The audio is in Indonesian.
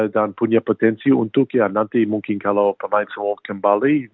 dan punya potensi untuk ya nanti mungkin kalau pemain seolah kembali